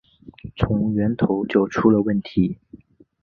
从源头就出了问题